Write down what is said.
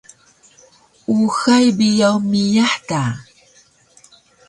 Uxay biyaw meiyah da